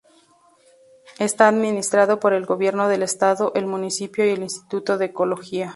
Está administrado por el Gobierno del Estado, el municipio y el Instituto de Ecología.